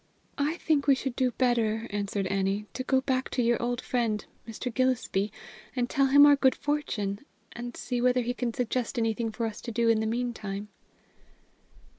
"I think we should do better," answered Annie, "to go back to your old friend, Mr. Gillespie, and tell him of our good fortune, and see whether he can suggest anything for us to do in the meantime."